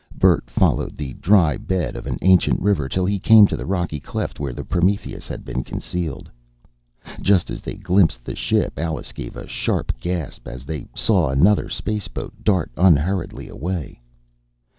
Bert followed the dry bed of an ancient river, till he came to the rocky cleft where the Prometheus had been concealed. Just as they glimpsed the ship, Alice gave a sharp gasp, as they saw another spaceboat dart unhurriedly away.